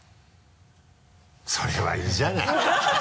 それはいいじゃない。